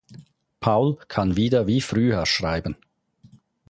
Paul kann wieder wie früher schreiben.